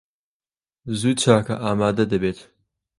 زوو چاکە ئامادە دەبێت.